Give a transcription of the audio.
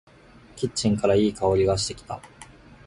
キッチンからいい香りがしてきた。